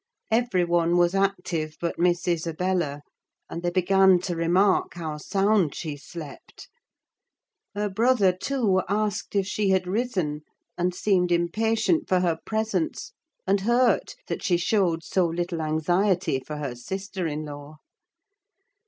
Every one was active but Miss Isabella; and they began to remark how sound she slept: her brother, too, asked if she had risen, and seemed impatient for her presence, and hurt that she showed so little anxiety for her sister in law.